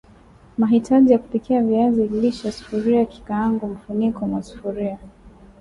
Mahitaji ya kupikia viazi lishe Sufuria kikaango mfuniko wa sufuria